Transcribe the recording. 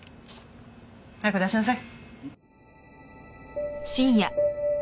早く出しなさい。